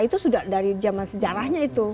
itu sudah dari zaman sejarahnya itu